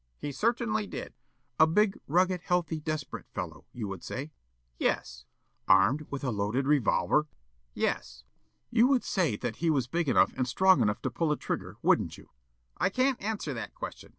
Yollop: "He certainly did." Counsel: "A big, rugged, healthy, desperate fellow, you would say?" Yollop: "Yes." Counsel: "Armed with a loaded revolver?" Yollop: "Yes." Counsel: "You would say that he was big enough and strong enough to pull a trigger, wouldn't you?" Yollop: "I can't answer that question.